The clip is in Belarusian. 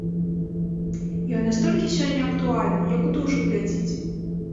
Ён настолькі сёння актуальны, як у душу глядзіць.